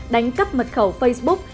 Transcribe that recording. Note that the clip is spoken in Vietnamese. đánh cấp mật khẩu facebook